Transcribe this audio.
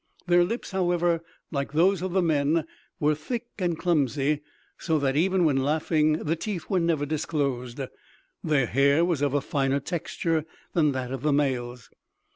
Their lips, however, like those of the men, were thick and clumsy, so that, even when laughing, the teeth were never disclosed. Their hair was of a finer texture than that of the males.